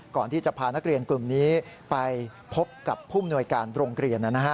ก่อนที่จะพานักเรียนกลุ่มนี้ไปพบกับผู้มนวยการโรงเรียน